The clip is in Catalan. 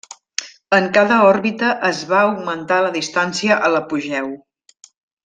En cada òrbita es va augmentar la distància a l'apogeu.